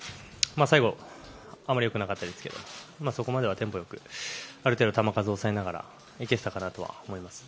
最後、あまりよくなかったですけど、そこまではテンポよく、ある程度、球数を抑えながらいけてたかなとは思います。